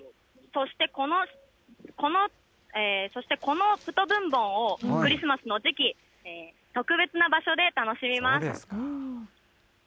そしてこのプト・ブンボンをクリスマスの時期、特別な場所で楽しみます。